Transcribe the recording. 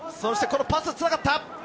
このパスがつながった！